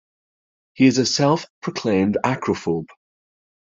He is a self-proclaimed acrophobe.